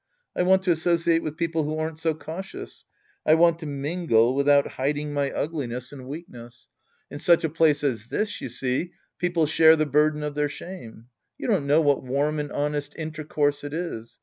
I want to associate with people who aren't so cautious. I want to mingle without hiding my ugliness and 106 The Priest and His Disciples Act III %veakncss. In such a place as this, you see, people share the burden of their shame. You don't know what warm and honest intercourse it is.